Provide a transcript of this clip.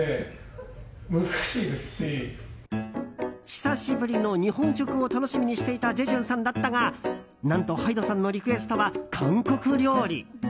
久しぶりの日本食を楽しみにしていたジェジュンさんだったが何と、ＨＹＤＥさんのリクエストは韓国料理。